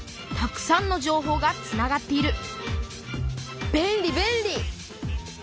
たくさんの情報がつながっている便利便利！